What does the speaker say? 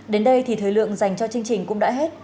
đến đây thì thời lượng dành cho chương trình cũng đã hết